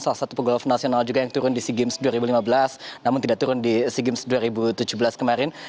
salah satu pegolf nasional juga yang turun di sea games dua ribu lima belas namun tidak turun di sea games dua ribu tujuh belas kemarin